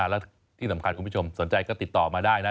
แล้วที่สำคัญคุณผู้ชมสนใจก็ติดต่อมาได้นะ